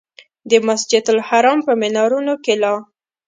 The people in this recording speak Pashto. د مسجدالحرام په منارونو کې لا.